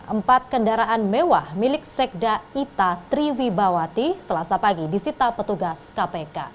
empat kendaraan mewah milik sekda ita triwibawati selasa pagi disita petugas kpk